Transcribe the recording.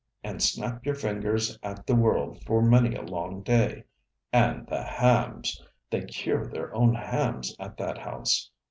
And snap your fingers at the world for many a long day. And the hams! They cure their own hams at that house.